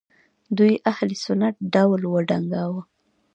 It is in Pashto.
دوی اهل سنت ډول وډنګاوه